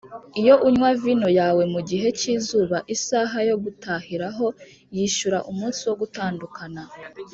iyo unywa vino yawe, mugihe cyizuba isaha yo gutahiraho yishyura umunsi wo gutandukana,